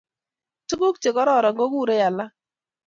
Tuguk Che kororon kukurei alik